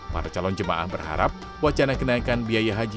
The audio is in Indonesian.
para calon jemaah berharap wacana kenaikan biaya haji